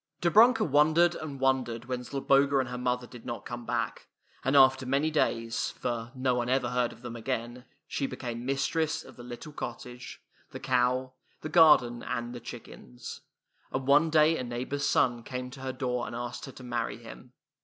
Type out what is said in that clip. Dobrunka wondered and wondered, when Zloboga and her mother did not come back ; and after many days — for no one ever [ 19 ] FAVORITE FAIRY TALES RETOLD heard of them again — she became mistress of the little cottage, the cow, the garden, and the chickens. And one day a neighbor's son came to her door and asked her to marry him.